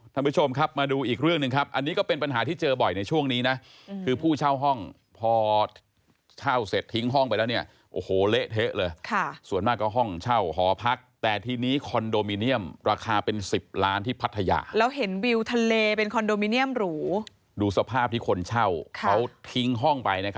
ท่านผู้ชมครับมาดูอีกเรื่องหนึ่งครับอันนี้ก็เป็นปัญหาที่เจอบ่อยในช่วงนี้นะคือผู้เช่าห้องพอเช่าเสร็จทิ้งห้องไปแล้วเนี่ยโอ้โหเละเทะเลยค่ะส่วนมากก็ห้องเช่าหอพักแต่ทีนี้คอนโดมิเนียมราคาเป็นสิบล้านที่พัทยาแล้วเห็นวิวทะเลเป็นคอนโดมิเนียมหรูดูสภาพที่คนเช่าเขาทิ้งห้องไป